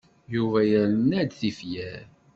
Yuba yerna-d tifyar.